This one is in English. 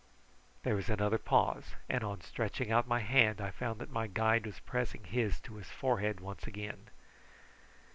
There was another pause, and on stretching out my hand I found that my guide was pressing his to his forehead once again.